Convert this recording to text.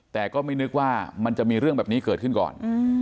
แต่ก็ไม่นึกว่ามันจะมีเรื่องแบบนี้เกิดขึ้นก่อน